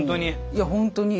いや本当に。